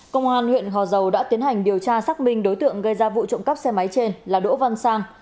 công an huyện gò dầu đã tiến hành điều tra xác minh đối tượng gây ra vụ trộm cắp xe máy trên là đỗ văn sang